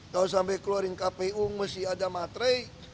kalau sampai keluarin kpu mesti ada matre